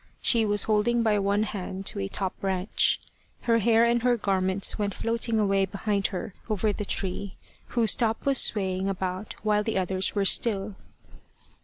She was holding by one hand to a top branch. Her hair and her garments went floating away behind her over the tree, whose top was swaying about while the others were still.